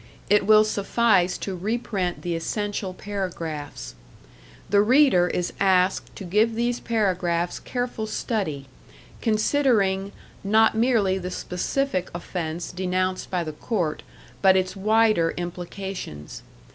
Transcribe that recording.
It will suffice to reprint the essential paragraphs. The reader is asked to give these paragraphs careful study, considering, not merely the specific offence denounced by the court, but its wider implications.